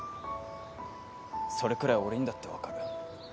それくらい俺にだって分かる。